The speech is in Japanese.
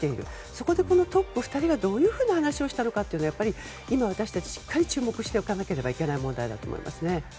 そこで、このトップ２人がどういう話をしたのかは私たちしっかり注目しておかなければいけない問題だと思います。